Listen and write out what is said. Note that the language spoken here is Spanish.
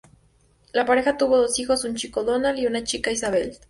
La pareja tuvo dos hijos, un chico, "Donald", y una chica, "Isabel".